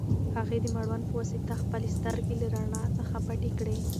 هغې د مړوند په واسطه خپلې سترګې له رڼا څخه پټې کړې.